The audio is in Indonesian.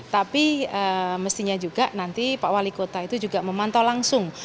tapi mestinya juga nanti pak wali kota itu juga memantau langsung